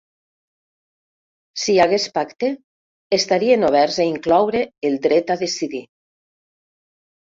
Si hi hagués pacte, estarien oberts a incloure el dret a decidir.